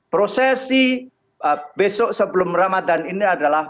prosesi besok sebelum ramadan ini adalah